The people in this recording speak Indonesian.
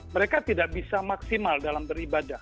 mereka tidak bisa maksimal dalam beribadah